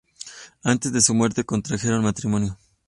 Antes de su muerte contrajeron matrimonio.